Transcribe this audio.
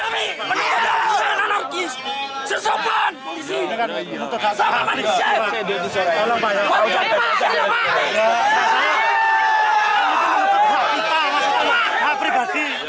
tapi menuntut penyelesaian anak anak sesopan disini sama manusia kalau banyak kalau banyak kalau banyak